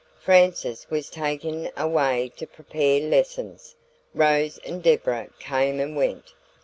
Frances was taken away to prepare lessons. Rose and Deborah came and went.